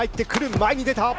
前に出た。